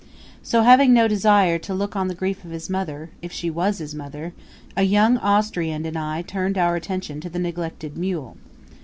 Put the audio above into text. So, having no desire to look on the grief of his mother if she was his mother a young Austrian and I turned our attention to the neglected mule.